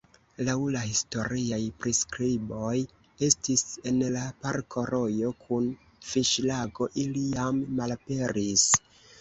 Laŭ la historiaj priskriboj estis en la parko rojo kun fiŝlago, ili jam malaperis.